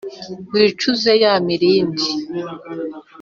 wicuze ya mirindi,